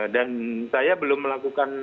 dan saya belum melakukan